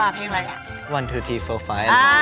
เพลงอะไรล่ะ